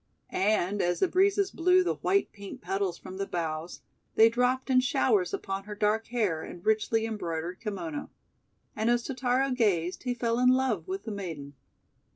And, as the breezes blew the white pink petals from the boughs, they dropped in showers upon her dark hair and richly embroidered kimono. And as Totaro gazed he fell in love with the maiden.